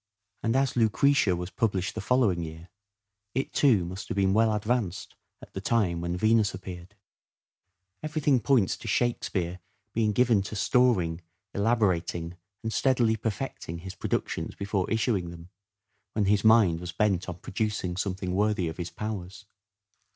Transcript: And as " Lucrece " was published the following year, it too, must have been well advanced at the time when " Venus " appeared. Habits of Everything points to " Shakespeare " being given to storing, elaborating, and steadily perfecting his productions before issuing them, when his mind was bent on producing something worthy of his powers.